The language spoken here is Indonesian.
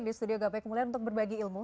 di studio gapai kemuliaan untuk berbagi ilmu